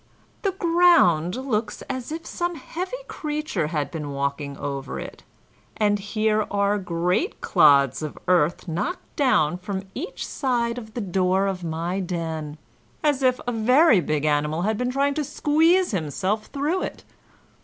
the ground looks as if some heavy creature had been walking over it, and here are great clods of earth knocked down from each side of the door of my den, as if a very big animal had been trying to squeeze himself through it.